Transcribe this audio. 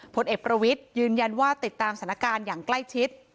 ผลเอกประวิทย์ยืนยันว่าติดตามสถานการณ์อย่างใกล้ชิด